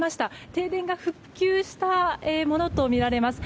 停電が復旧したものとみられます。